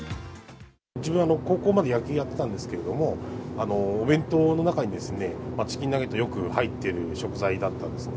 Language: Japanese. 自分は高校まで野球をやってたんですけれども、お弁当の中に、チキンナゲットよく入ってる食材だったんです。